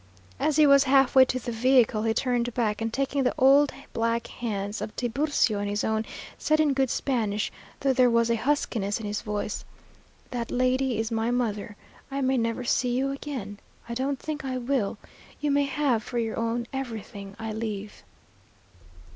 As he was halfway to the vehicle, he turned back, and taking the old black hands of Tiburcio in his own, said in good Spanish, though there was a huskiness in his voice, "That lady is my mother. I may never see you again. I don't think I will. You may have for your own everything I leave."